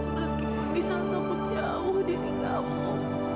meskipun bisa takut jauh dari kamu